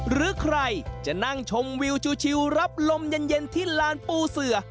หรือใครจะนั่งชมวิวชิลรับลมเย็นที่ลานปูเสือ